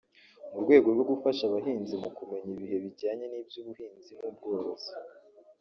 mu rwego rwo gufasha abahinzi mu kumenya ibihe bijyanye n’iby’ubuhinzi n’ubworozi